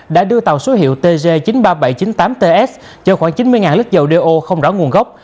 đã đưa tàu số hiệu tg chín mươi ba nghìn bảy trăm chín mươi tám ts chở khoảng chín mươi lít dầu đeo không rõ nguồn gốc